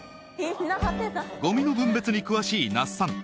ゴミの分別に詳しい那須さん